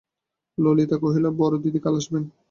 ললিতা কহিল, বড়দিদি কাল আসবেন।